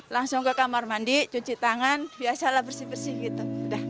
langsung ke kamar mandi cuci tangan biasalah bersih bersih gitu